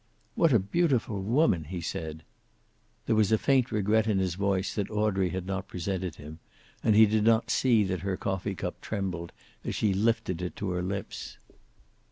"What a beautiful woman!" he said. There was a faint regret in his voice that Audrey had not presented him, and he did not see that her coffee cup trembled as she lifted it to her lips.